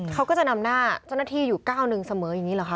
เขาก็จะนำหน้าเจ้าหน้าที่อยู่ก้าวหนึ่งเสมออย่างนี้เหรอคะ